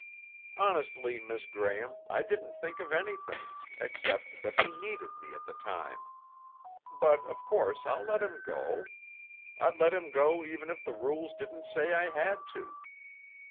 "Honestly, Miss Graham, I didn't think of anything, except that he needed me at the time. But of course I'll let him go. I'd let him go even if the rules didn't say I had to."